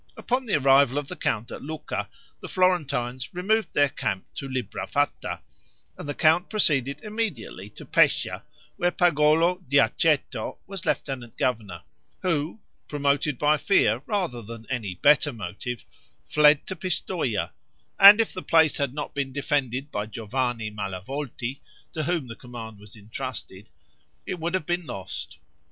Upon the arrival of the count at Lucca, the Florentines removed their camp to Librafatta, and the count proceeded immediately to Pescia, where Pagolo Diacceto was lieutenant governor, who, promoted by fear rather than any better motive, fled to Pistoia, and if the place had not been defended by Giovanni Malavolti, to whom the command was intrusted, it would have been lost.